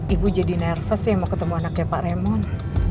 ibu jadi nervous ya mau ketemu anaknya pak raymond